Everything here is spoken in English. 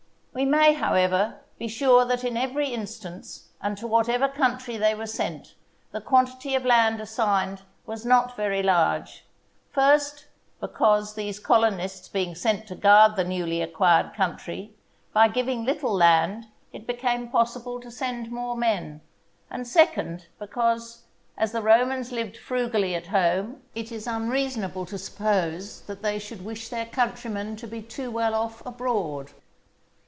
We may, however, be sure that in every instance, and to whatever country they were sent, the quantity of land assigned was not very large: first, because, these colonists being sent to guard the newly acquired country, by giving little land it became possible to send more men; and second because, as the Romans lived frugally at home, it is unreasonable to suppose that they should wish their countrymen to be too well off abroad.